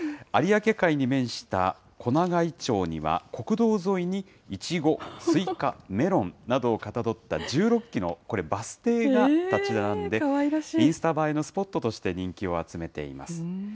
有明海に面した小長井町には、国道沿いにイチゴ、スイカ、メロンなどをかたどった１６基のこれ、バス停が建ち並んで、インスタ映えのスポットとして人気を集めています。